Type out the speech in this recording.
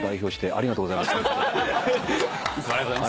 ありがとうございます。